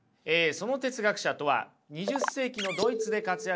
その哲学者とは２０世紀のドイツで活躍したガダマーです。